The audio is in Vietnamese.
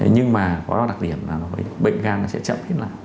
nhưng mà có đặc điểm là bệnh gan nó sẽ chậm lên lại